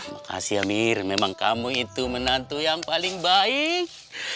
makasih amir memang kamu itu menantu yang paling baik